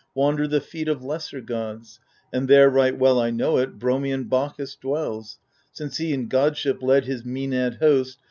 Wander the feet of lesser gods ; and there, Right well I know it, Bromian Bacchus dwells, Since he in godship led his Maenad host.